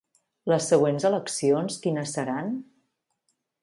Les següents eleccions quines seran?